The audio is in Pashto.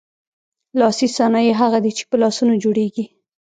لاسي صنایع هغه دي چې په لاسونو جوړیږي.